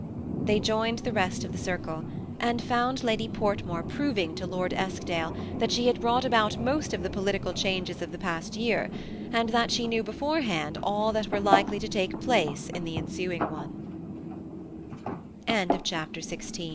They joined the rest of the circle, and found Lady Portmore proving to Lord Eskdale that she had brought about most of the political changes of the past year; and that she knew beforehand all that were likely to take place in the ensuing one 104 THE SEMI ATTACHED C